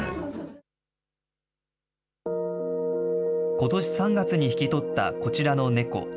ことし３月に引き取ったこちらの猫。